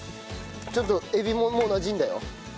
ちょっとエビももうなじんだよ。